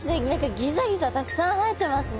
ギザギザたくさん生えてますね。